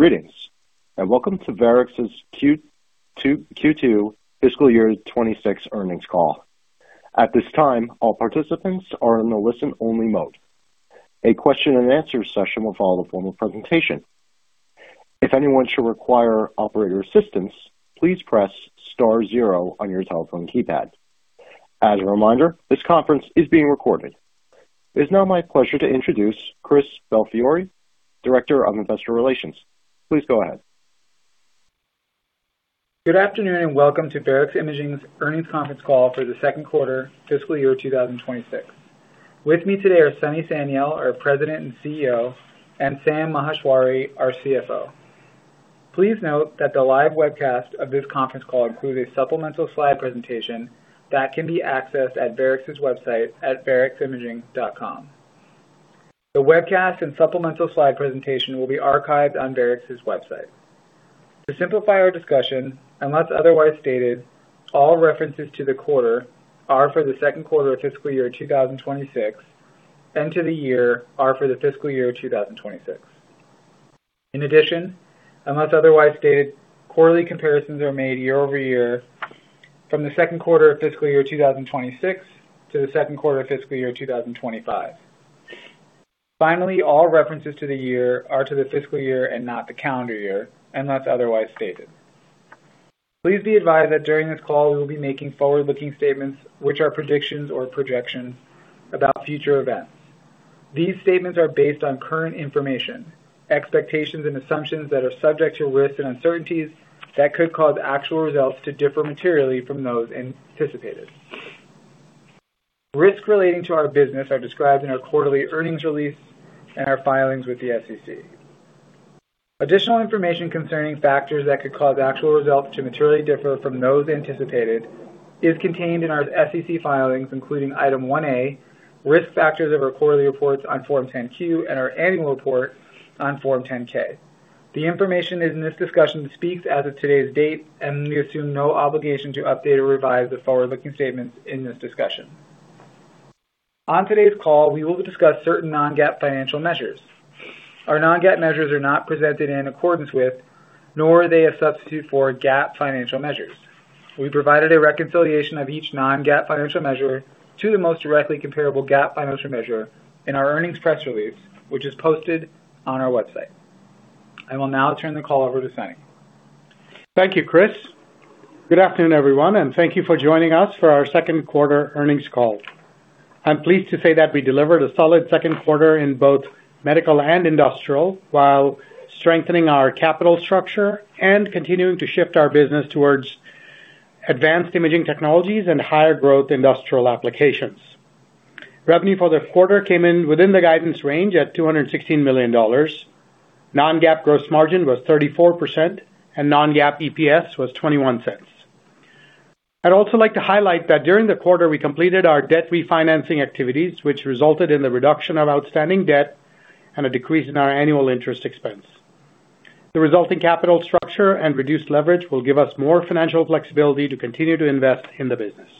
Greetings, and welcome to Varex's Q2 fiscal year 2026 earnings call. At this time, all participants are in the listen-only mode. A question and answer session will follow the formal presentation. If anyone should require operator assistance, please press star zero on your telephone keypad. As a reminder, this conference is being recorded. It's now my pleasure to introduce Christopher Belfiore, Director of Investor Relations. Please go ahead. Good afternoon, welcome to Varex Imaging's earnings conference call for the second quarter fiscal year 2026. With me today are Sunny Sanyal, our President and CEO, and Sam Maheshwari, our CFO. Please note that the live webcast of this conference call includes a supplemental slide presentation that can be accessed at Varex's website at vareximaging.com. The webcast and supplemental slide presentation will be archived on Varex's website. To simplify our discussion, unless otherwise stated, all references to the quarter are for the second quarter of fiscal year 2026, and to the year are for the fiscal year 2026. In addition, unless otherwise stated, quarterly comparisons are made year-over-year from the second quarter of fiscal year 2026 to the second quarter of fiscal year 2025. Finally, all references to the year are to the fiscal year and not the calendar year, unless otherwise stated. Please be advised that during this call, we will be making forward-looking statements which are predictions or projections about future events. These statements are based on current information, expectations, and assumptions that are subject to risks and uncertainties that could cause actual results to differ materially from those anticipated. Risks relating to our business are described in our quarterly earnings release and our filings with the SEC. Additional information concerning factors that could cause actual results to materially differ from those anticipated is contained in our SEC filings, including Item 1-A, Risk Factors of our quarterly reports on Form 10-Q and our annual report on Form 10-K. The information in this discussion speaks as of today's date, and we assume no obligation to update or revise the forward-looking statements in this discussion. On today's call, we will discuss certain non-GAAP financial measures. Our non-GAAP measures are not presented in accordance with, nor are they a substitute for GAAP financial measures. We provided a reconciliation of each non-GAAP financial measure to the most directly comparable GAAP financial measure in our earnings press release, which is posted on our website. I will now turn the call over to Sunny. Thank you, Chris. Good afternoon, everyone, and thank you for joining us for our second quarter earnings call. I'm pleased to say that we delivered a solid second quarter in both medical and industrial while strengthening our capital structure and continuing to shift our business towards advanced imaging technologies and higher growth industrial applications. Revenue for the quarter came in within the guidance range at $216 million. Non-GAAP gross margin was 34%, and non-GAAP EPS was $0.21. I'd also like to highlight that during the quarter, we completed our debt refinancing activities, which resulted in the reduction of outstanding debt and a decrease in our annual interest expense. The resulting capital structure and reduced leverage will give us more financial flexibility to continue to invest in the business.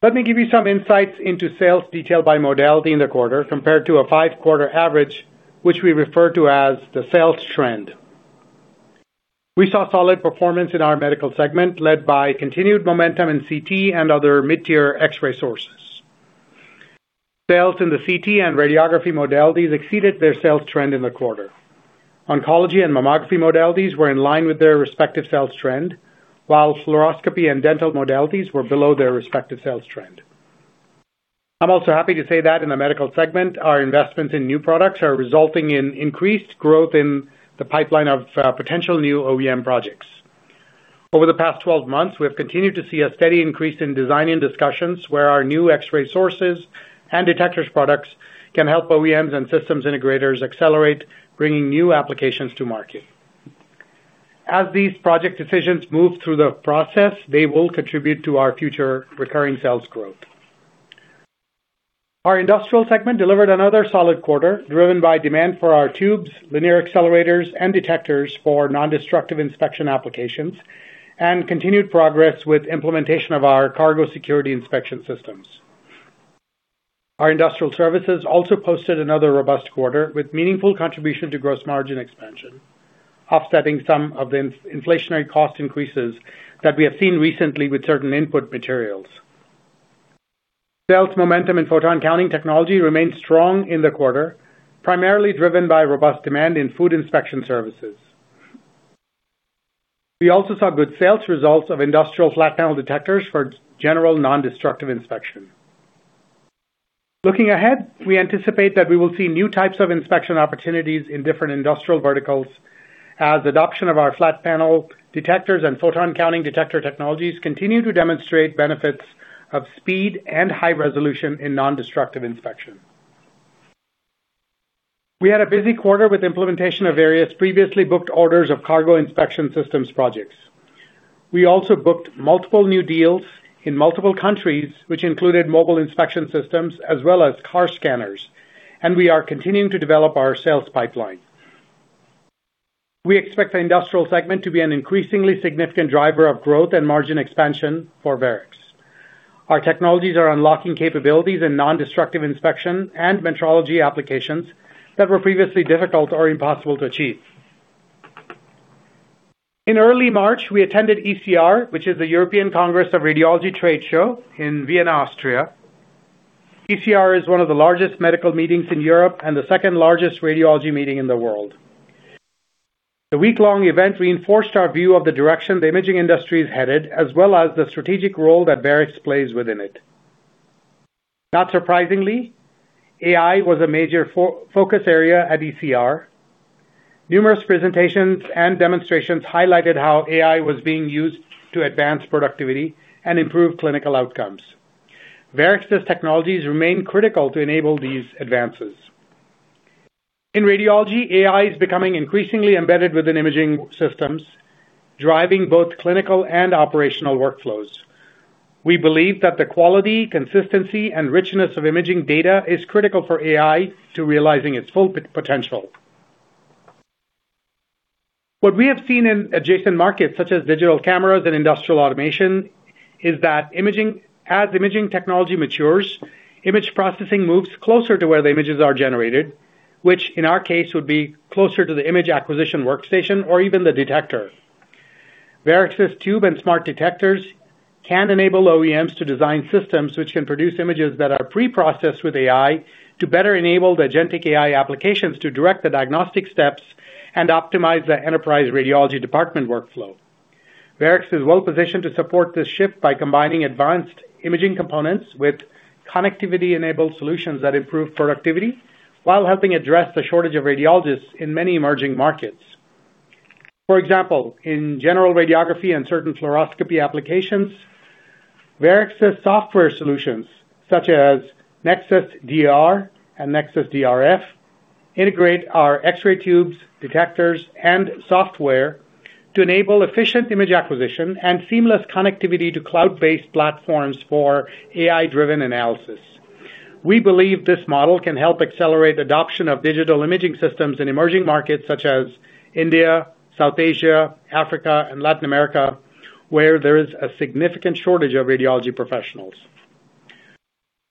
Let me give you some insights into sales detail by modality in the quarter compared to a five-quarter average, which we refer to as the sales trend. We saw solid performance in our medical segment, led by continued momentum in CT and other mid-tier X-ray sources. Sales in the CT and radiography modalities exceeded their sales trend in the quarter. Oncology and mammography modalities were in line with their respective sales trend, while fluoroscopy and dental modalities were below their respective sales trend. I'm also happy to say that in the medical segment, our investments in new products are resulting in increased growth in the pipeline of potential new OEM projects. Over the past 12 months, we have continued to see a steady increase in design-in discussions where our new X-ray sources and detectors products can help OEMs and systems integrators accelerate bringing new applications to market. As these project decisions move through the process, they will contribute to our future recurring sales growth. Our industrial segment delivered another solid quarter, driven by demand for our tubes, linear accelerators, and detectors for non-destructive inspection applications and continued progress with implementation of our cargo security inspection systems. Our industrial services also posted another robust quarter with meaningful contribution to gross margin expansion, offsetting some of the inflationary cost increases that we have seen recently with certain input materials. Sales momentum in photon counting technology remained strong in the quarter, primarily driven by robust demand in food inspection services. We also saw good sales results of industrial flat panel detectors for general non-destructive inspection. Looking ahead, we anticipate that we will see new types of inspection opportunities in different industrial verticals as adoption of our flat panel detectors and photon counting detector technologies continue to demonstrate benefits of speed and high resolution in non-destructive inspection. We had a busy quarter with implementation of various previously booked orders of cargo inspection systems projects. We also booked multiple new deals in multiple countries, which included mobile inspection systems as well as car scanners, and we are continuing to develop our sales pipeline. We expect the industrial segment to be an increasingly significant driver of growth and margin expansion for Varex. Our technologies are unlocking capabilities in non-destructive inspection and metrology applications that were previously difficult or impossible to achieve. In early March, we attended ECR, which is the European Congress of Radiology trade show in Vienna, Austria. ECR is one of the largest medical meetings in Europe and the second-largest radiology meeting in the world. The week-long event reinforced our view of the direction the imaging industry is headed, as well as the strategic role that Varex plays within it. Not surprisingly, AI was a major focus area at ECR. Numerous presentations and demonstrations highlighted how AI was being used to advance productivity and improve clinical outcomes. Varex's technologies remain critical to enable these advances. In radiology, AI is becoming increasingly embedded within imaging systems, driving both clinical and operational workflows. We believe that the quality, consistency, and richness of imaging data is critical for AI to realizing its full potential. What we have seen in adjacent markets, such as digital cameras and industrial automation, is that as imaging technology matures, image processing moves closer to where the images are generated, which in our case, would be closer to the image acquisition workstation or even the detector. Varex's tube and smart detectors can enable OEMs to design systems which can produce images that are pre-processed with AI to better enable the agentic AI applications to direct the diagnostic steps and optimize the enterprise radiology department workflow. Varex is well-positioned to support this shift by combining advanced imaging components with connectivity-enabled solutions that improve productivity while helping address the shortage of radiologists in many emerging markets. For example, in general radiography and certain fluoroscopy applications, Varex's software solutions, such as Nexus DR and Nexus DRF, integrate our X-ray tubes, detectors, and software to enable efficient image acquisition and seamless connectivity to cloud-based platforms for AI-driven analysis. We believe this model can help accelerate adoption of digital imaging systems in emerging markets such as India, South Asia, Africa, and Latin America, where there is a significant shortage of radiology professionals.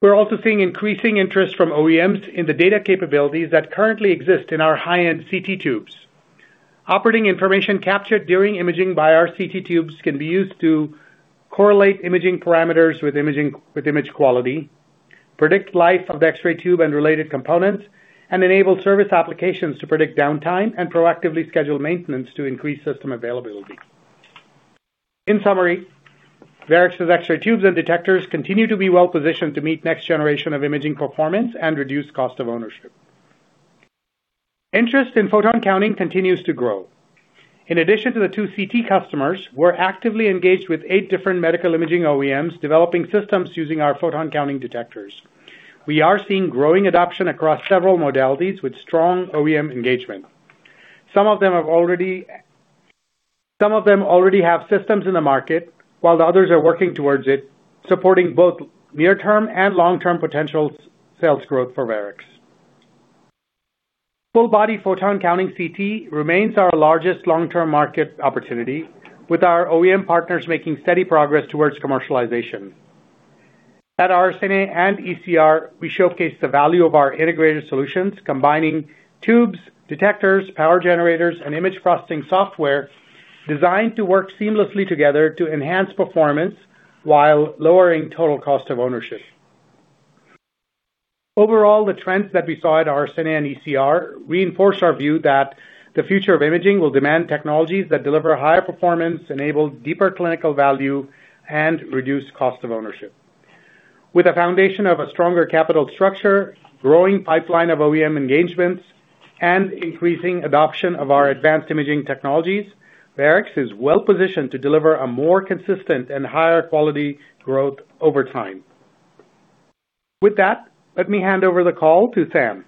We're also seeing increasing interest from OEMs in the data capabilities that currently exist in our high-end CT tubes. Operating information captured during imaging by our CT tubes can be used to correlate imaging parameters with image quality, predict life of the X-ray tube and related components, and enable service applications to predict downtime and proactively schedule maintenance to increase system availability. In summary, Varex's X-ray tubes and detectors continue to be well-positioned to meet next generation of imaging performance and reduce cost of ownership. Interest in photon counting continues to grow. In addition to the two CT customers, we're actively engaged with eight different medical imaging OEMs developing systems using our photon counting detectors. We are seeing growing adoption across several modalities with strong OEM engagement. Some of them already have systems in the market, while others are working towards it, supporting both near-term and long-term potential sales growth for Varex. Full-body photon counting CT remains our largest long-term market opportunity, with our OEM partners making steady progress towards commercialization. At RSNA and ECR, we showcased the value of our integrated solutions, combining tubes, detectors, power generators, and image processing software designed to work seamlessly together to enhance performance while lowering total cost of ownership. Overall, the trends that we saw at RSNA and ECR reinforce our view that the future of imaging will demand technologies that deliver higher performance, enable deeper clinical value, and reduce cost of ownership. With a foundation of a stronger capital structure, growing pipeline of OEM engagements, and increasing adoption of our advanced imaging technologies, Varex is well-positioned to deliver a more consistent and higher quality growth over time. With that, let me hand over the call to Sam.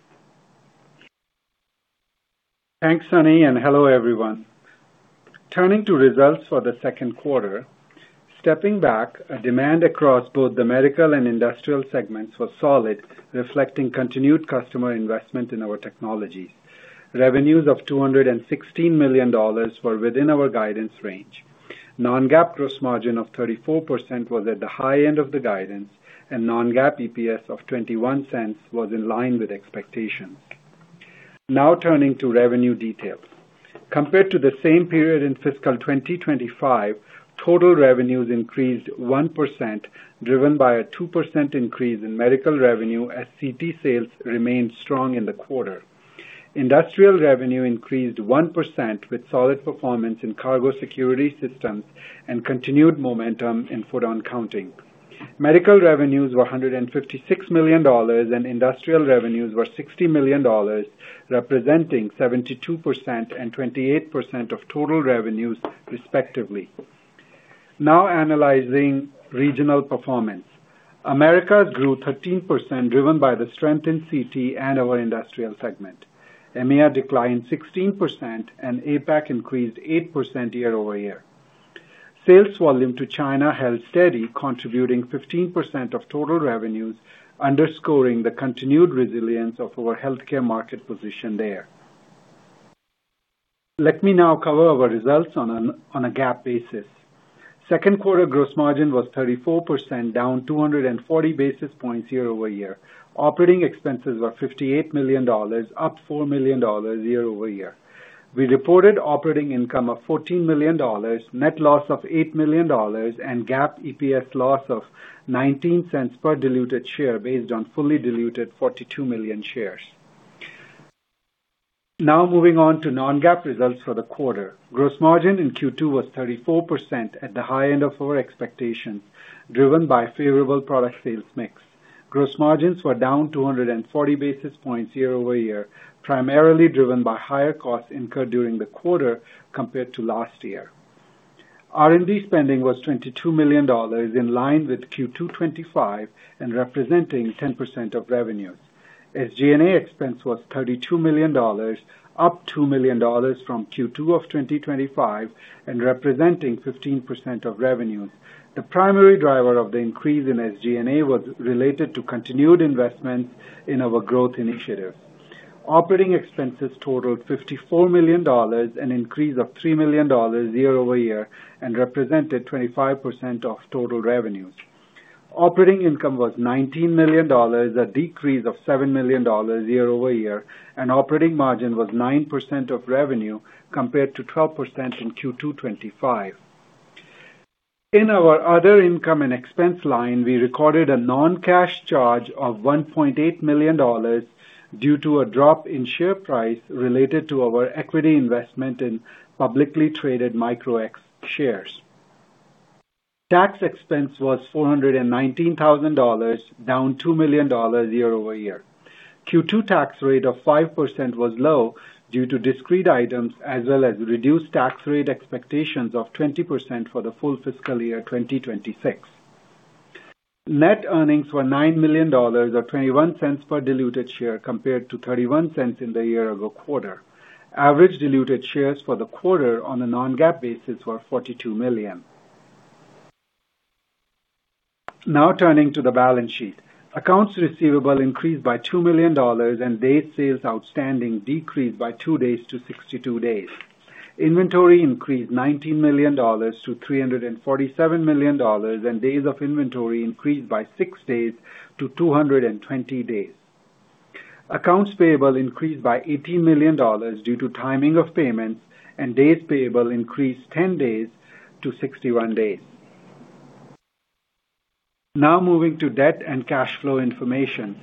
Thanks, Sunny, and hello, everyone. Turning to results for the second quarter, stepping back, demand across both the medical and industrial segments was solid, reflecting continued customer investment in our technology. Revenues of $216 million were within our guidance range. Non-GAAP gross margin of 34% was at the high end of the guidance, and non-GAAP EPS of $0.21 was in line with expectations. Now turning to revenue details. Compared to the same period in fiscal 2025, total revenues increased 1%, driven by a 2% increase in medical revenue as CT sales remained strong in the quarter. Industrial revenue increased 1%, with solid performance in cargo security systems and continued momentum in photon counting. Medical revenues were $156 million, and industrial revenues were $60 million, representing 72% and 28% of total revenues respectively. Now analysing regional performance. Americas grew 13%, driven by the strength in CT and our industrial segment. EMEA declined 16%, and APAC increased 8% year-over-year. Sales volume to China held steady, contributing 15% of total revenues, underscoring the continued resilience of our healthcare market position there. Let me now cover our results on a GAAP basis. Second quarter gross margin was 34%, down 240 basis points year-over-year. Operating expenses were $58 million, up $4 million year-over-year. We reported operating income of $14 million, net loss of $8 million, and GAAP EPS loss of $0.19 per diluted share based on fully diluted 42 million shares. Moving on to non-GAAP results for the quarter. Gross margin in Q2 was 34% at the high end of our expectations, driven by favorable product sales mix. Gross margins were down 240 basis points year-over-year, primarily driven by higher costs incurred during the quarter compared to last year. R&D spending was $22 million, in line with Q2 2025 and representing 10% of revenue. SG&A expense was $32 million, up $2 million from Q2 of 2025, and representing 15% of revenues. The primary driver of the increase in SG&A was related to continued investments in our growth initiatives. Operating expenses totaled $54 million, an increase of $3 million year-over-year, and represented 25% of total revenues. Operating income was $19 million, a decrease of $7 million year-over-year, and operating margin was 9% of revenue, compared to 12% in Q2 2025. In our other income and expense line, we recorded a non-cash charge of $1.8 million due to a drop in share price related to our equity investment in publicly traded Micro-X shares. Tax expense was $419,000, down $2 million year-over-year. Q2 tax rate of 5% was low due to discrete items as well as reduced tax rate expectations of 20% for the full fiscal year 2026. Net earnings were $9 million or $0.21 per diluted share compared to $0.31 in the year-ago quarter. Average diluted shares for the quarter on a non-GAAP basis were 42 million. Turning to the balance sheet. Accounts receivable increased by $2 million and days sales outstanding decreased by two days to 62 days. Inventory increased $19 million to $347 million, and days of inventory increased by six days to 220 days. Accounts payable increased by $18 million due to timing of payments, and days payable increased 10 days to 61 days. Now moving to debt and cash flow information.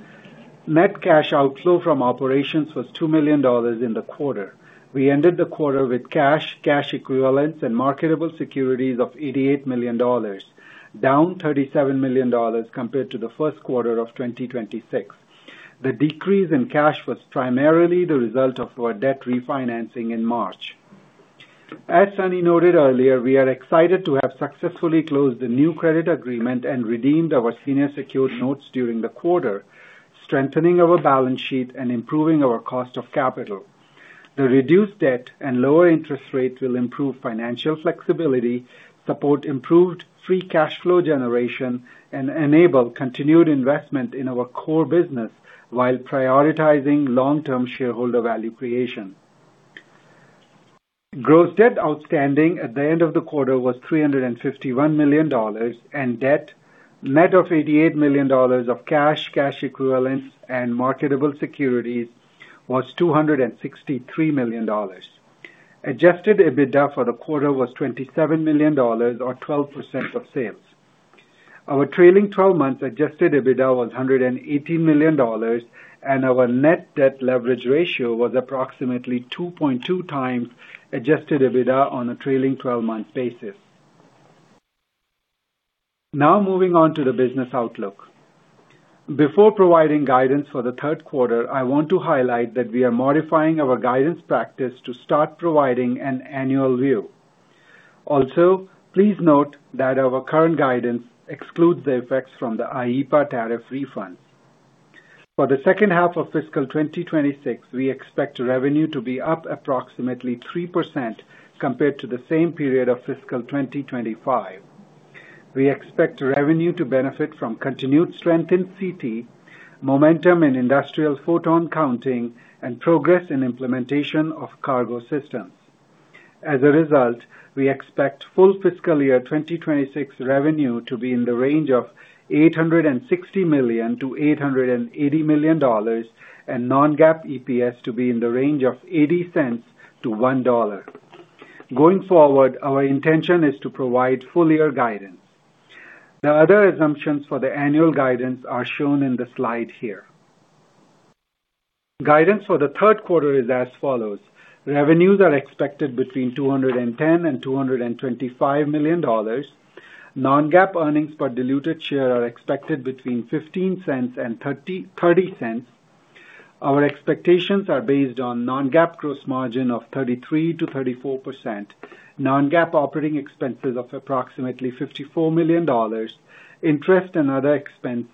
Net cash outflow from operations was $2 million in the quarter. We ended the quarter with cash equivalents, and marketable securities of $88 million, down $37 million compared to the first quarter of 2026. The decrease in cash was primarily the result of our debt refinancing in March. As Sunny noted earlier, we are excited to have successfully closed the new credit agreement and redeemed our senior secured notes during the quarter, strengthening our balance sheet and improving our cost of capital. The reduced debt and lower interest rates will improve financial flexibility, support improved free cash flow generation, and enable continued investment in our core business while prioritizing long-term shareholder value creation. Gross debt outstanding at the end of the quarter was $351 million, and debt net of $88 million of cash equivalents, and marketable securities was $263 million. Adjusted EBITDA for the quarter was $27 million or 12% of sales. Our trailing 12 months adjusted EBITDA was $180 million, and our net debt leverage ratio was approximately 2.2x Adjusted EBITDA on a trailing 12-month basis. Now moving on to the business outlook. Before providing guidance for the third quarter, I want to highlight that we are modifying our guidance practice to start providing an annual view. Please note that our current guidance excludes the effects from the IEEPA tariff refunds. For the second half of fiscal 2026, we expect revenue to be up approximately 3% compared to the same period of fiscal 2025. We expect revenue to benefit from continued strength in CT, momentum in industrial photon counting, and progress in implementation of cargo systems. As a result, we expect full fiscal year 2026 revenue to be in the range of $860 million-$880 million and non-GAAP EPS to be in the range of $0.80-$1.00. Going forward, our intention is to provide full-year guidance. The other assumptions for the annual guidance are shown in the slide here. Guidance for the third quarter is as follows: Revenues are expected between $210 and $225 million. Non-GAAP earnings per diluted share are expected between $0.15 and $0.30. Our expectations are based on non-GAAP gross margin of 33%-34%, non-GAAP operating expenses of approximately $54 million, interest and other expense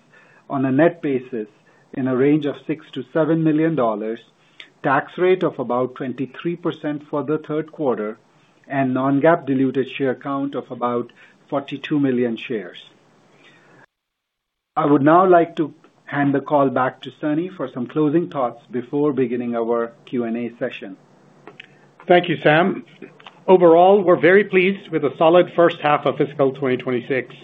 on a net basis in a range of $6 million-$7 million, tax rate of about 23% for the third quarter and non-GAAP diluted share count of about 42 million shares. I would now like to hand the call back to Sunny for some closing thoughts before beginning our Q&A session. Thank you, Sam. Overall, we're very pleased with the solid first half of fiscal 2026.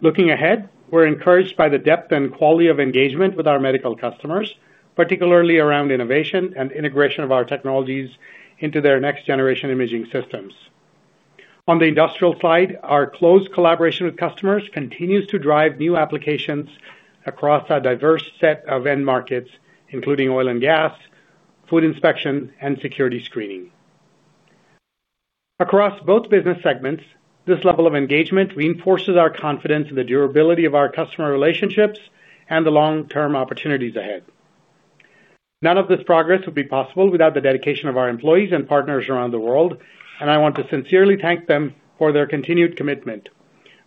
Looking ahead, we're encouraged by the depth and quality of engagement with our medical customers, particularly around innovation and integration of our technologies into their next-generation imaging systems. On the industrial side, our close collaboration with customers continues to drive new applications across a diverse set of end markets, including oil and gas, food inspection, and security screening. Across both business segments, this level of engagement reinforces our confidence in the durability of our customer relationships and the long-term opportunities ahead. None of this progress would be possible without the dedication of our employees and partners around the world, and I want to sincerely thank them for their continued commitment.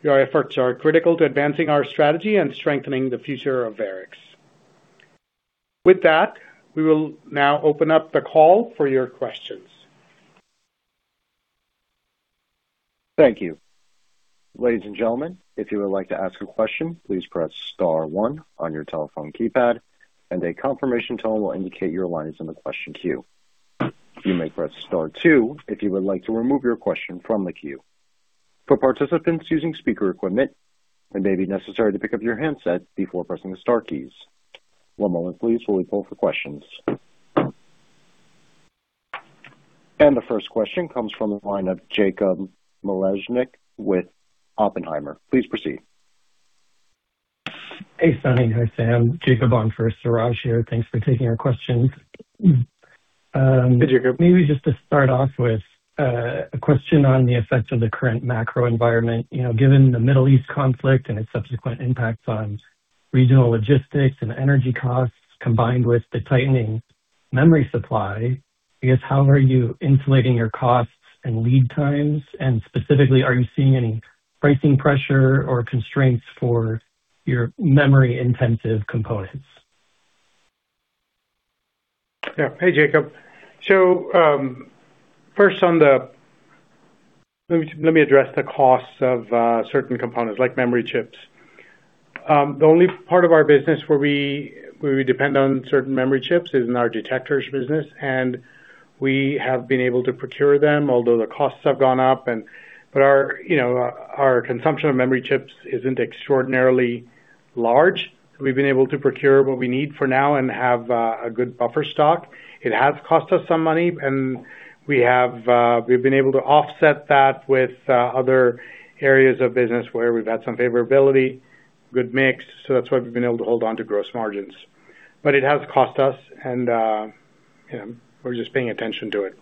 Your efforts are critical to advancing our strategy and strengthening the future of Varex. With that, we will now open up the call for your questions. Thank you. Ladies and gentlemen, if you would like to ask a question, please press star one on your telephone keypad, and a confirmation tone will indicate your line is in the question queue. You may press star two if you would like to remove your question from the queue. For participants using speaker equipment, it may be necessary to pick up your handset before pressing the star keys. One moment please, while we poll for questions. The first question comes from the line of Jacob Mlesnik with Oppenheimer. Please proceed. Hey, Sunny. Hey, Sam. Jacob on for Suraj here. Thanks for taking our questions. Good day, Jacob. Maybe just to start off with a question on the effects of the current macro environment. You know, given the Middle East conflict and its subsequent impact on regional logistics and energy costs, combined with the tightening memory supply, I guess, how are you insulating your costs and lead times? Specifically, are you seeing any pricing pressure or constraints for your memory-intensive components? Yeah. Hey, Jacob. First, let me address the costs of certain components like memory chips. The only part of our business where we depend on certain memory chips is in our detectors business, and we have been able to procure them, although the costs have gone up. You know, our consumption of memory chips isn't extraordinarily large. We've been able to procure what we need for now and have a good buffer stock. It has cost us some money, and we have, we've been able to offset that with other areas of business where we've had some favorability, good mix, so that's why we've been able to hold on to gross margins. It has cost us and, you know, we're just paying attention to it.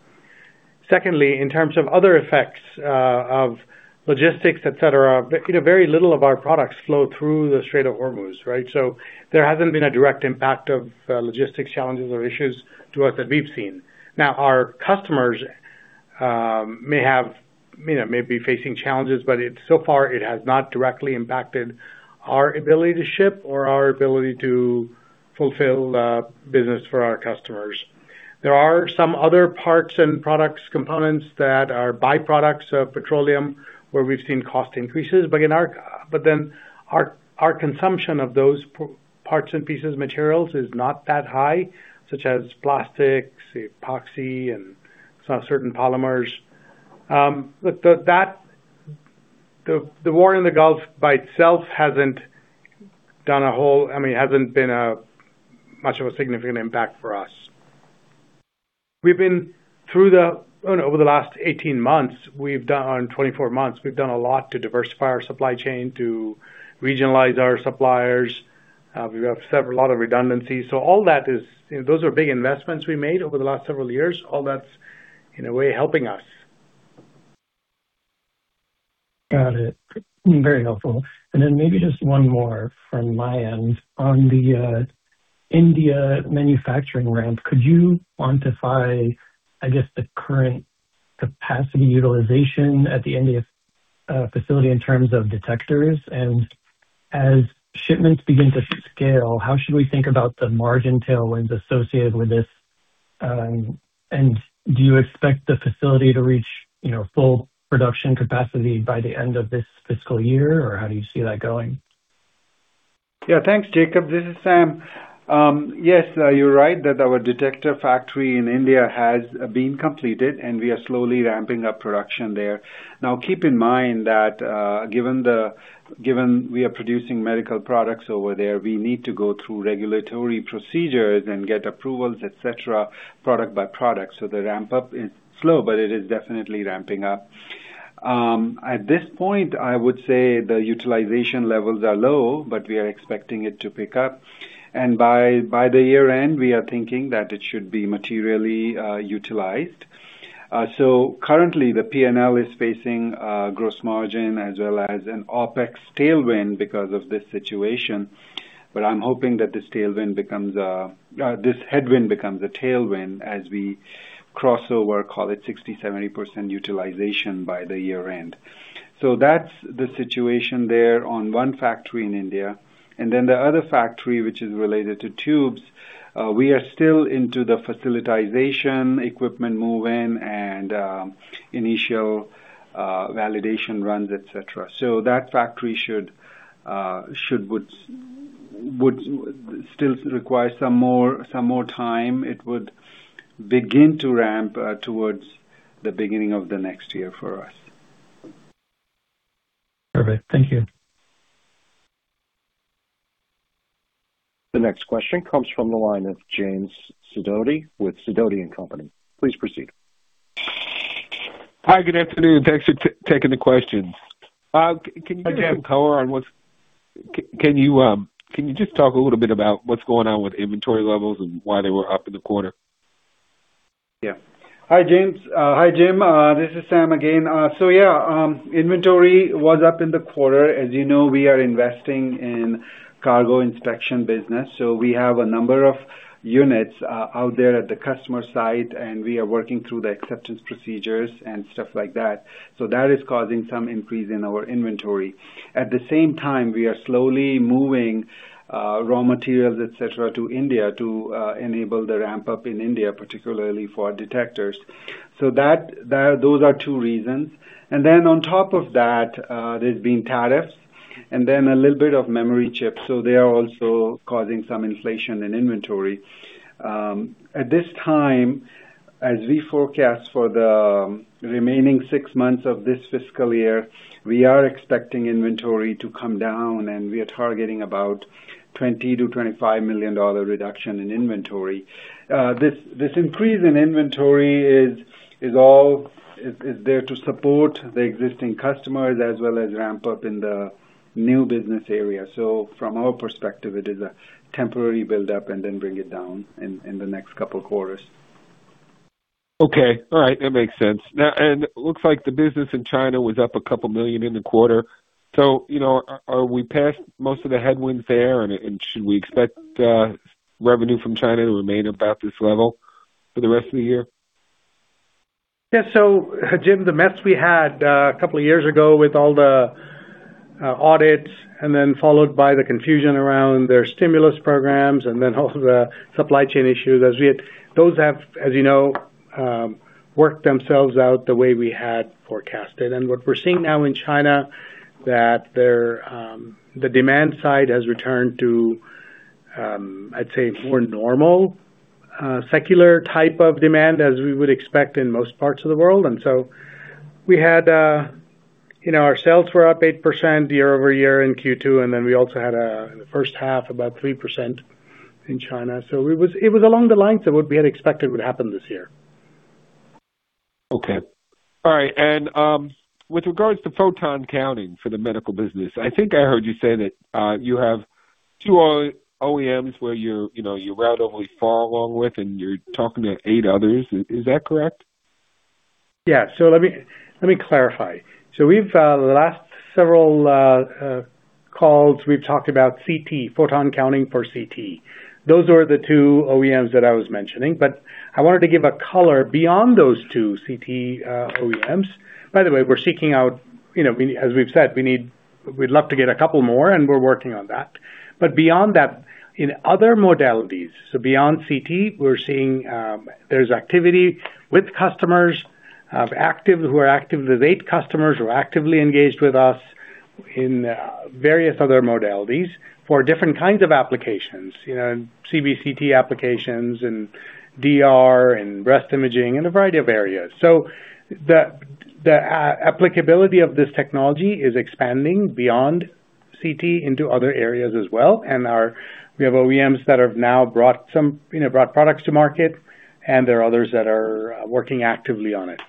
Secondly, in terms of other effects, of logistics, et cetera, you know, very little of our products flow through the Strait of Hormuz, right? There hasn't been a direct impact of logistics challenges or issues to us that we've seen. Now, our customers, may have, you know, may be facing challenges, but so far, it has not directly impacted our ability to ship or our ability to fulfill business for our customers. There are some other parts and products, components that are byproducts of petroleum, where we've seen cost increases. Then our consumption of those parts and pieces, materials is not that high, such as plastics, epoxy, and some certain polymers. The war in the Gulf by itself hasn't done a whole I mean, hasn't been a much of a significant impact for us. Over the last 18 months, 24 months, we've done a lot to diversify our supply chain, to regionalize our suppliers. We have a lot of redundancies. All that is, you know, those are big investments we made over the last several years. All that's, in a way, helping us. Got it. Very helpful. Then maybe just one more from my end. On the India manufacturing ramp, could you quantify, I guess, the current capacity utilization at the India facility in terms of detectors? As shipments begin to scale, how should we think about the margin tailwinds associated with this? Do you expect the facility to reach, you know, full production capacity by the end of this fiscal year? Or how do you see that going? Yeah. Thanks, Jacob. This is Sam. Yes, you're right that our detector factory in India has been completed. We are slowly ramping up production there. Keep in mind that, given we are producing medical products over there, we need to go through regulatory procedures and get approvals, et cetera, product by product. The ramp-up is slow, but it is definitely ramping up. At this point, I would say the utilization levels are low, but we are expecting it to pick up. By the year-end, we are thinking that it should be materially utilized. Currently the P&L is facing gross margin as well as an OpEx tailwind because of this situation. I'm hoping that this headwind becomes a tailwind as we cross over, call it 60%-70% utilization by the year-end. That's the situation there on one factory in India. The other factory, which is related to tubes, we are still into the facilitization, equipment move in, and initial validation runs, et cetera. That factory would still require some more time. It would begin to ramp towards the beginning of the next year for us. Perfect. Thank you. The next question comes from the line of Jim Sidoti with Sidoti & Company. Please proceed. Hi, good afternoon. Thanks for taking the questions. Can you just talk a little bit about what's going on with inventory levels and why they were up in the quarter? Hi, Jim. This is Sam again. Inventory was up in the quarter. As you know, we are investing in cargo inspection business. We have a number of units out there at the customer site, and we are working through the acceptance procedures and stuff like that. That is causing some increase in our inventory. At the same time, we are slowly moving raw materials, et cetera, to India to enable the ramp-up in India, particularly for our detectors. Those are two reasons. On top of that, there's been tariffs and then a little bit of memory chips, so they are also causing some inflation in inventory. At this time, as we forecast for the remaining six months of this fiscal year, we are expecting inventory to come down, and we are targeting about $20 million-$25 million reduction in inventory. This increase in inventory is there to support the existing customers as well as ramp up in the new business area. From our perspective, it is a temporary build-up and then bring it down in the next couple quarters. Okay. All right. That makes sense. It looks like the business in China was up $2 million in the quarter. You know, are we past most of the headwinds there, and should we expect revenue from China to remain about this level for the rest of the year? Yeah. Jim, the mess we had a couple of years ago with all the audits and then followed by the confusion around their stimulus programs and then all the supply chain issues as we had, those have, as you know, worked themselves out the way we had forecasted. What we're seeing now in China that there, the demand side has returned to, I'd say more normal, secular type of demand as we would expect in most parts of the world. We had, you know, our sales were up 8% year-over-year in Q2, and then we also had in the first half, about 3% in China. It was, it was along the lines of what we had expected would happen this year. Okay. All right. With regards to photon counting for the medical business, I think I heard you say that, you have two OEMs where you're, you know, you're relatively far along with, and you're talking to eight others. Is that correct? Yeah. Let me clarify. We've last several calls, we've talked about CT, photon counting for CT. Those are the two OEMs that I was mentioning, but I wanted to give a color beyond those two CT OEMs. By the way, we're seeking out, as we've said, we'd love to get a couple more, and we're working on that. Beyond that, in other modalities, beyond CT, we're seeing, there's activity with customers who are active, there's eight customers who are actively engaged with us in various other modalities for different kinds of applications, CBCT applications and DR and breast imaging in a variety of areas. The applicability of this technology is expanding beyond CT into other areas as well. We have OEMs that have now brought some, you know, brought products to market, and there are others that are working actively on it.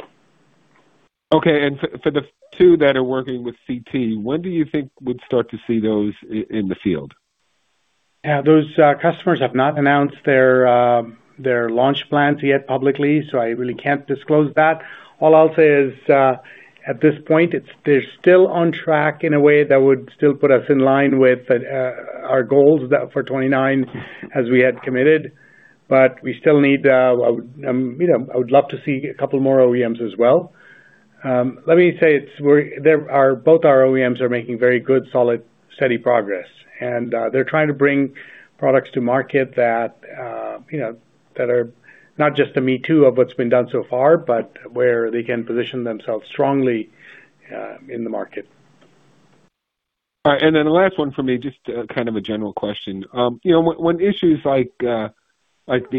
Okay. For the two that are working with CT, when do you think we'd start to see those in the field? Yeah. Those customers have not announced their launch plans yet publicly, so I really can't disclose that. All I'll say is, at this point, they're still on track in a way that would still put us in line with our goals for 2029 as we had committed, but we still need, you know, a couple more OEMs as well. Let me say both our OEMs are making very good, solid, steady progress. They're trying to bring products to market that, you know, that are not just a me too of what's been done so far, but where they can position themselves strongly in the market. All right. The last one for me, just kind of a general question. You know, when issues like the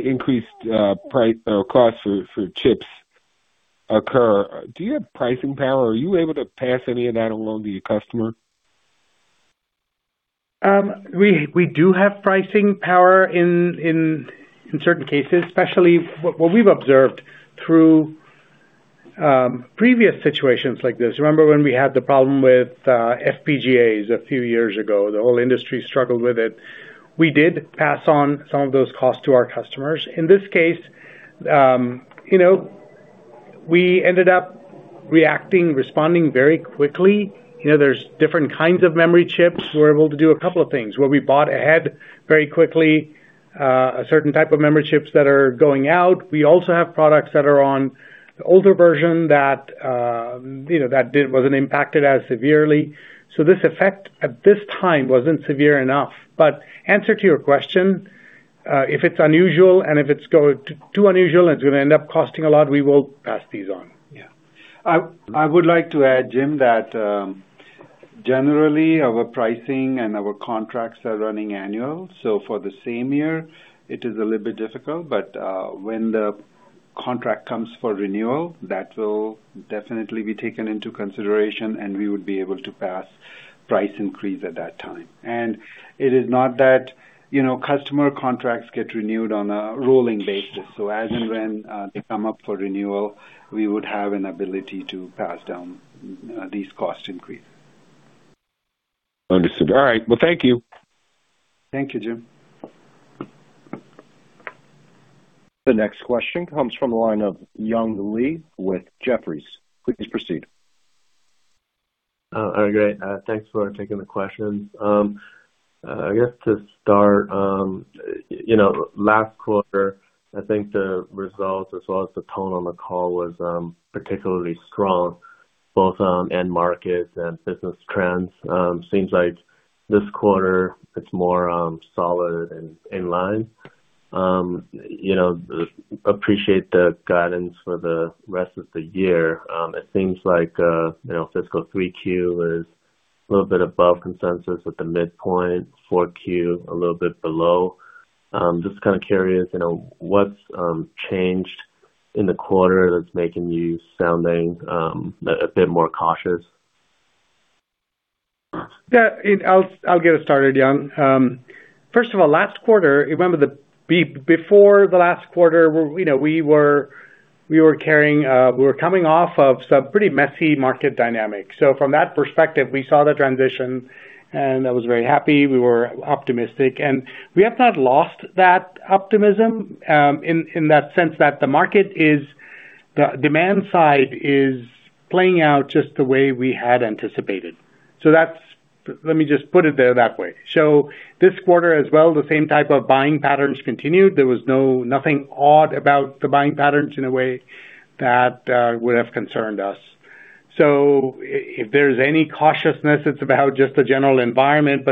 increased price or cost for chips occur, do you have pricing power? Are you able to pass any of that along to your customer? We do have pricing power in certain cases, especially what we've observed through previous situations like this. Remember when we had the problem with FPGAs a few years ago, the whole industry struggled with it. We did pass on some of those costs to our customers. In this case, you know, we ended up reacting, responding very quickly. You know, there's different kinds of memory chips. We were able to do a couple of things, where we bought ahead very quickly. A certain type of memory chips that are going out. We also have products that are on older version that, you know, wasn't impacted as severely. This effect at this time wasn't severe enough. Answer to your question, if it's unusual and if it's going too unusual, and it's gonna end up costing a lot, we will pass these on. Yeah. I would like to add, Jim, that, generally our pricing and our contracts are running annual, so for the same year it is a little bit difficult. When the contract comes for renewal, that will definitely be taken into consideration, and we would be able to pass price increase at that time. It is not that, you know, customer contracts get renewed on a rolling basis. As and when they come up for renewal, we would have an ability to pass down these cost increases. Understood. All right. Well, thank you. Thank you, Jim. The next question comes from the line of Young Li with Jefferies. Please proceed. All right, great. Thanks for taking the questions. I guess to start, you know, last quarter, I think the results as well as the tone on the call was particularly strong both on end markets and business trends. Seems like this quarter it's more solid and in line. You know, appreciate the guidance for the rest of the year. It seems like, you know, fiscal 3Q is a little bit above consensus at the midpoint, 4Q, a little bit below. Just kind of curious, you know, what's changed in the quarter that's making you sounding a bit more cautious? I'll get us started, Young. First of all, last quarter, remember before the last quarter, we know we were carrying, we were coming off of some pretty messy market dynamics. From that perspective, we saw the transition, and I was very happy. We were optimistic, and we have not lost that optimism, in that sense that the demand side is playing out just the way we had anticipated. That's Let me just put it there that way. This quarter as well, the same type of buying patterns continued. There was nothing odd about the buying patterns in a way that would have concerned us. If there's any cautiousness, it's about just the general environment.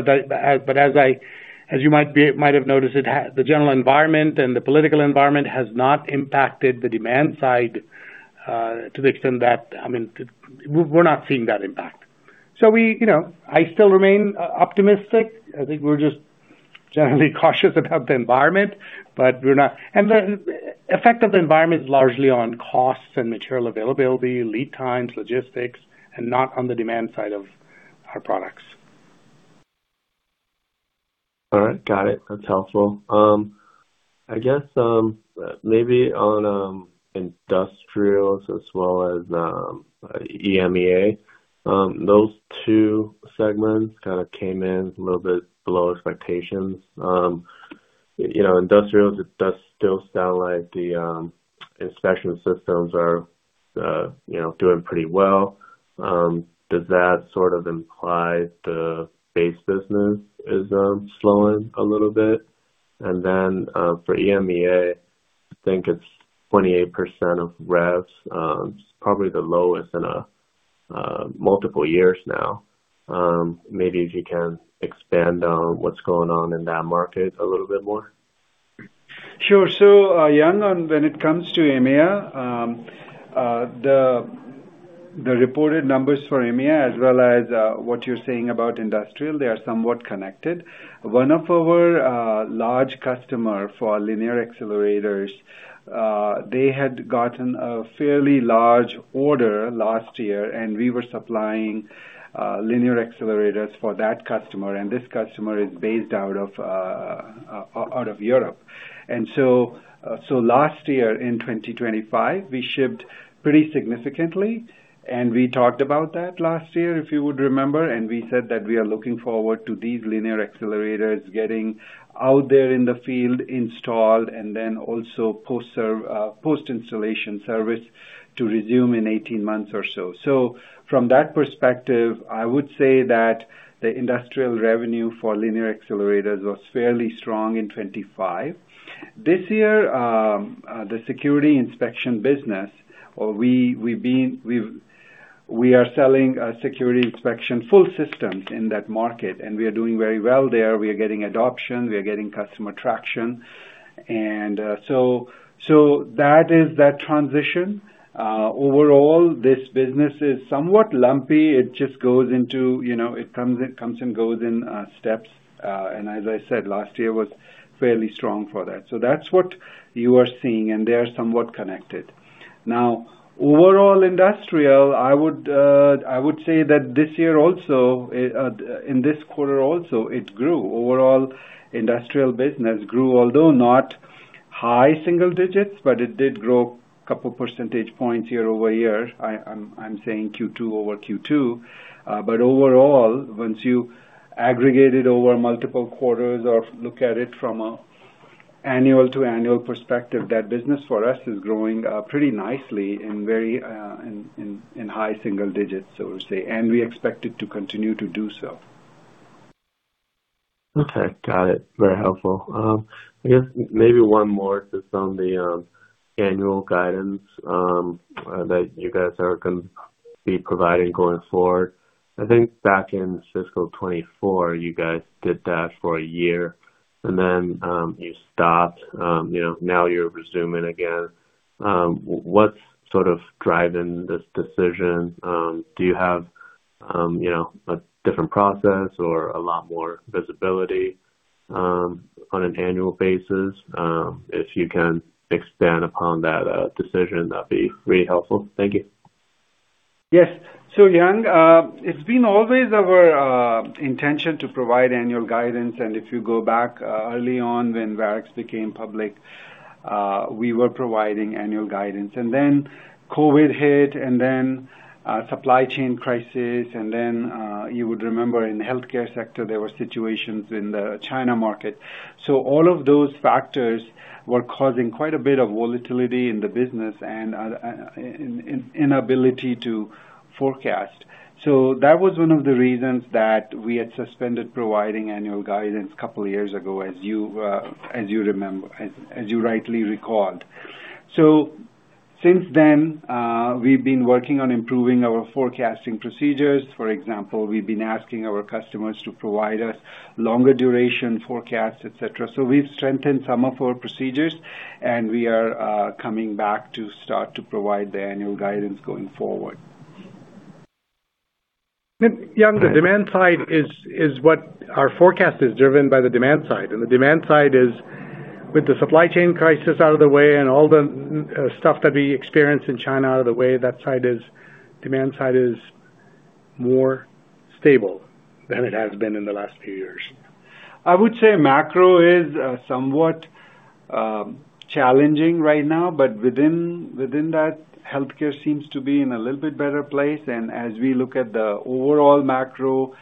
As you might have noticed, the general environment and the political environment has not impacted the demand side, to the extent that, I mean, we're not seeing that impact. We, you know, I still remain optimistic. I think we're just generally cautious about the environment, but we're not. The effect of the environment is largely on costs and material availability, lead times, logistics, and not on the demand side of our products. All right. Got it. That's helpful. I guess maybe on industrials as well as EMEA, those two segments kind of came in a little bit below expectations. You know, industrials, it does still sound like the inspection systems are, you know, doing pretty well. Does that sort of imply the base business is slowing a little bit? For EMEA, I think it's 28% of revs, probably the lowest in a multiple years now. Maybe if you can expand on what's going on in that market a little bit more. Sure. Young, on when it comes to EMEA, the reported numbers for EMEA as well as what you're saying about industrial, they are somewhat connected. One of our large customer for linear accelerators, they had gotten a fairly large order last year, and we were supplying linear accelerators for that customer, and this customer is based out of Europe. Last year in 2025, we shipped pretty significantly, and we talked about that last year, if you would remember. We said that we are looking forward to these linear accelerators getting out there in the field installed and then also post-installation service to resume in 18 months or so. From that perspective, I would say that the industrial revenue for linear accelerators was fairly strong in 2025. This year, the security inspection business or we are selling security inspection full systems in that market, and we are doing very well there. We are getting adoption, we are getting customer traction. That is that transition. Overall, this business is somewhat lumpy. It just goes into, you know, it comes and goes in steps. As I said, last year was fairly strong for that. That's what you are seeing, and they are somewhat connected. Overall industrial, I would say that this year also, in this quarter also, it grew. Overall industrial business grew, although not high single digits, but it did grow a couple of percentage points year-over-year. I'm saying Q2 over Q2. Overall, once you aggregate it over multiple quarters or look at it from an annual to annual perspective, that business for us is growing pretty nicely in very high single digits, so to say. We expect it to continue to do so. Okay. Got it. Very helpful. I guess maybe one more just on the annual guidance that you guys are gonna be providing going forward. I think back in fiscal 2024, you guys did that for a year, and then, you stopped. You know, now you're resuming again. What's sort of driving this decision? Do you have, you know, a different process or a lot more visibility on an annual basis? If you can expand upon that decision, that'd be really helpful. Thank you. Yes. Young, it's been always our intention to provide annual guidance, and if you go back early on when Varex became public, we were providing annual guidance. COVID hit and then supply chain crisis, and then you would remember in the healthcare sector, there were situations in the China market. All of those factors were causing quite a bit of volatility in the business and an inability to forecast. That was one of the reasons that we had suspended providing annual guidance a couple of years ago, as you remember, as you rightly recalled. Since then, we've been working on improving our forecasting procedures. For example, we've been asking our customers to provide us longer duration forecasts, et cetera. We've strengthened some of our procedures, and we are coming back to start to provide the annual guidance going forward. Young, the demand side is what our forecast is driven by the demand side. The demand side is with the supply chain crisis out of the way and all the stuff that we experienced in China out of the way, that side is, demand side is more stable than it has been in the last few years. I would say macro is somewhat challenging right now, but within that, healthcare seems to be in a little bit better place. As we look at the overall macro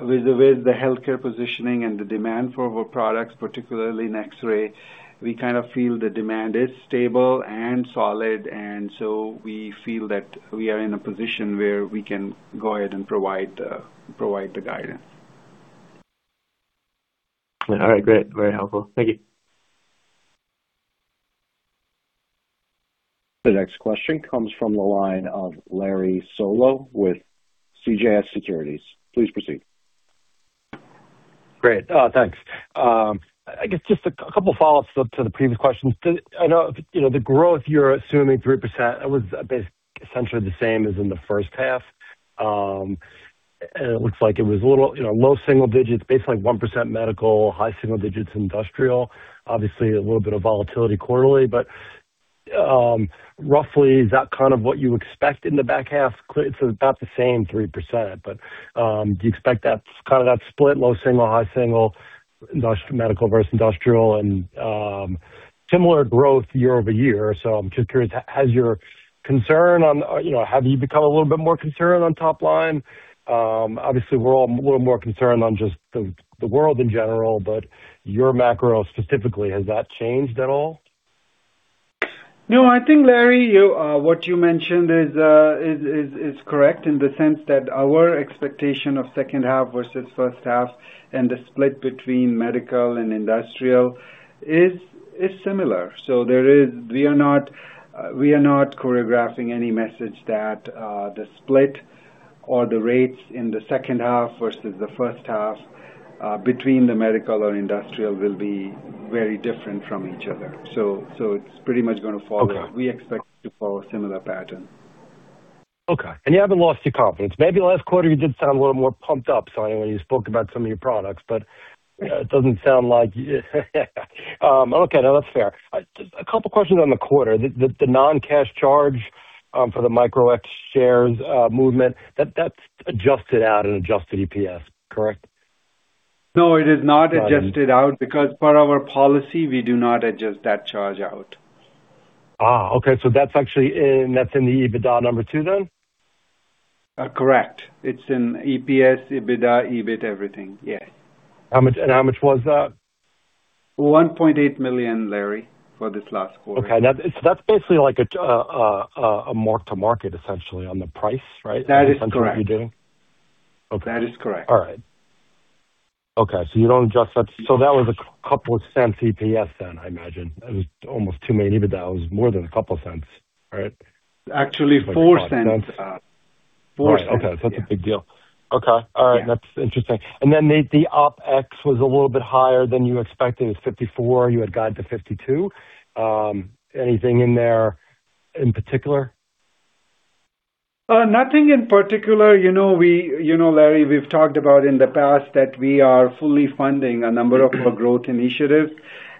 with the healthcare positioning and the demand for our products, particularly in X-ray, we kind of feel the demand is stable and solid, and so we feel that we are in a position where we can go ahead and provide the guidance. All right. Great. Very helpful. Thank you. The next question comes from the line of Larry Solow with CJS Securities. Please proceed. Great. Thanks. I guess just a couple of follow-ups to the previous questions. I know the growth, you're assuming 3%. It was essentially the same as in the first half. It looks like it was a little low single digits, basically 1% medical, high single digits industrial. Obviously, a little bit of volatility quarterly, roughly, is that kind of what you expect in the back half? About the same 3%. Do you expect that kind of that split, low single, high single, medical versus industrial and similar growth year-over-year? I'm just curious, has your concern on have you become a little bit more concerned on top line? Obviously, we're all a little more concerned on just the world in general, but your macro specifically, has that changed at all? No, I think, Larry, you what you mentioned is correct in the sense that our expectation of second half versus first half and the split between medical and industrial is similar. We are not choreographing any message that the split or the rates in the second half versus the first half between the medical or industrial will be very different from each other. We expect to follow a similar pattern. Okay. You haven't lost your confidence. Maybe last quarter you did sound a little more pumped up, Sunny Sanyal, when you spoke about some of your products, but it doesn't sound like. Okay. No, that's fair. Just a couple of questions on the quarter. The non-cash charge for the Micro-X shares movement, that's adjusted out in adjusted EPS, correct? No, it is not adjusted out because per our policy, we do not adjust that charge out. Okay. That's actually in, that's in the EBITDA number too then? Correct. It's in EPS, EBITDA, EBIT, everything. Yeah. How much was that? $1.8 million, Larry, for this last quarter. Okay. Now, that's basically like a mark to market essentially on the price, right? That is correct. Essentially what you're doing? Okay. That is correct. All right. Okay. You don't adjust that. That was a couple of cents EPS then, I imagine. It was almost $2 million EBITDA. It was more than couple of cents, right? Actually, $0.04. All right. Okay. It's a big deal. All right. That's interesting. Then the OpEx was a little bit higher than you expected. It was $54. You had guided to $52. Anything in there in particular? Nothing in particular. You know, Larry, we've talked about in the past that we are fully funding a number of our growth initiatives.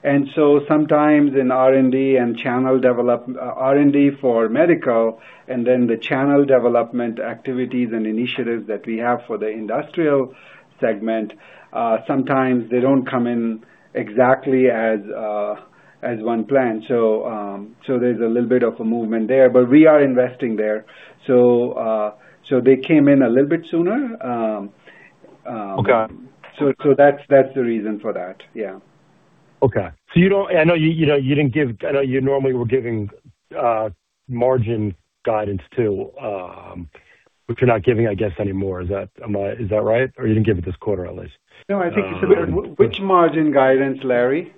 Sometimes in R&D for medical and then the channel development activities and initiatives that we have for the industrial segment, sometimes they don't come in exactly as one planned. There's a little bit of a movement there. We are investing there. They came in a little bit sooner. That's the reason for that. Yeah. Okay. I know you know, you didn't give, I know you normally were giving margin guidance too, which you're not giving, I guess, anymore. Is that, is that right? Or you didn't give it this quarter at least? No, which margin guidance, Larry?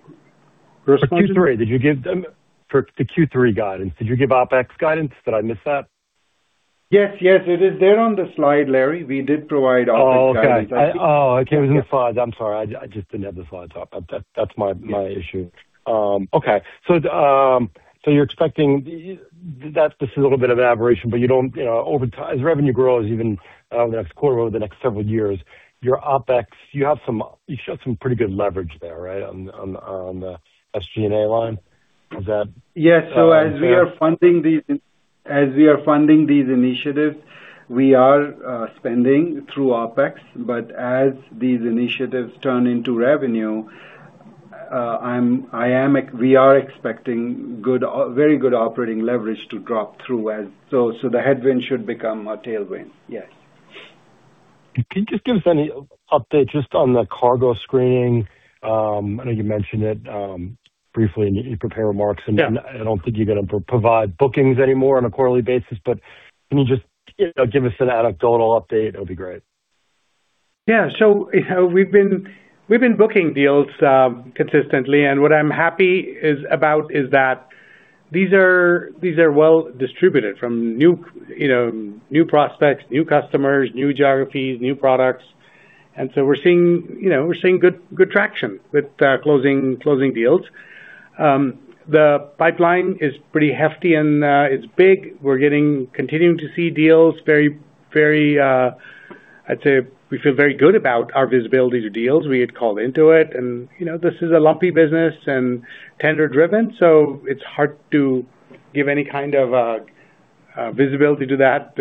For Q3. Did you give, for the Q3 guidance, did you give OpEx guidance? Did I miss that? Yes. Yes, it is there on the slide, Larry. We did provide OpEx guidance. Oh, okay. Oh, okay. It was in the slides. I'm sorry. I just didn't have the slides up. That's my issue. Okay. You're expecting that this is a little bit of aberration, but you don't, you know, over time, as revenue grows even, the next quarter or the next several years, your OpEx, you have some, you showed some pretty good leverage there, right? On the SG&A line. Is that? Yes. As we are funding these initiatives, we are spending through OpEx. As these initiatives turn into revenue, we are expecting very good operating leverage to drop through. The headwind should become a tailwind. Yes. Can you just give us any update just on the cargo screening? I know you mentioned it briefly in the prepared remarks. I don't think you're gonna provide bookings anymore on a quarterly basis, but can you just, you know, give us an anecdotal update? That'd be great. Yeah. You know, we've been booking deals consistently, what I'm happy about is that these are well distributed from new, you know, new prospects, new customers, new geographies, new products. We're seeing, you know, good traction with closing deals. The pipeline is pretty hefty and it's big. We're continuing to see deals very, I'd say we feel very good about our visibility to deals. We had called into it, you know, this is a lumpy business and tender-driven, it's hard to give any kind of visibility to that,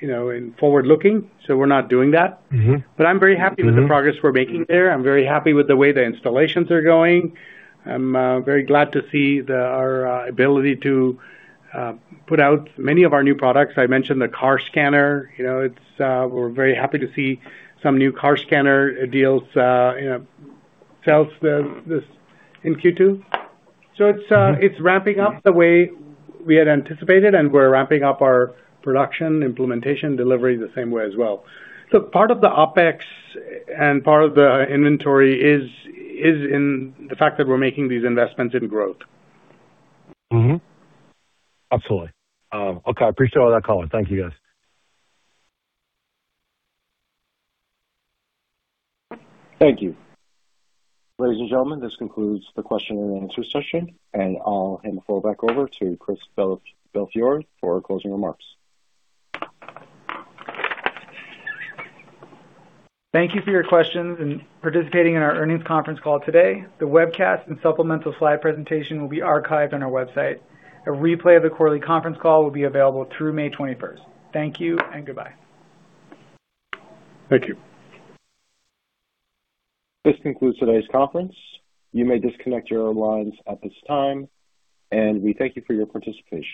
you know, in forward-looking, we're not doing that. I'm very happy with the progress we're making there. I'm very happy with the way the installations are going. I'm very glad to see our ability to put out many of our new products. I mentioned the car scanner. You know, it's, we're very happy to see some new car scanner deals, you know, sales this in Q2. It's, it's ramping up the way we had anticipated, and we're ramping up our production, implementation, delivery the same way as well. Part of the OpEx and part of the inventory is in the fact that we're making these investments in growth. Absolutely. Okay. I appreciate all that color. Thank you, guys. Thank you. Ladies and gentlemen, this concludes the question and answer session, and I'll hand the floor back over to Chris Belfiore for closing remarks. Thank you for your questions and participating in our earnings conference call today. The webcast and supplemental slide presentation will be archived on our website. A replay of the quarterly conference call will be available through May 21st. Thank you and goodbye. Thank you. This concludes today's conference. You may disconnect your lines at this time, and we thank you for your participation.